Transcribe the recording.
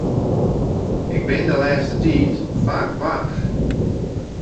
Ik bin de lêste tiid faak warch.